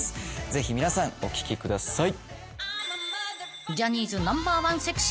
ぜひ皆さんお聴きください。